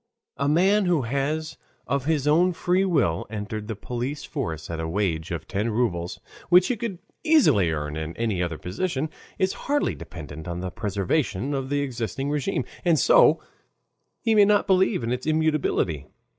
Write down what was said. A man who has of his own free will entered the police force at a wage of ten rubles, which he could easily earn in any other position, is hardly dependent on the preservation of the existing RÉGIME, and so he may not believe in its immutability.